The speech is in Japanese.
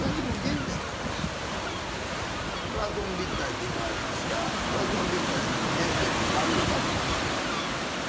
プラトン立体というのがありますがプラトン立体の原点は丸四角三角なんです。